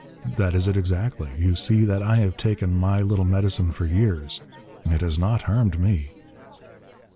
That is it exactly. You see that I have taken my little medicine for years, and it has not harmed me."